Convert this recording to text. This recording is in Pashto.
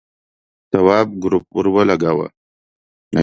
تواب گروپ ور ولگاوه.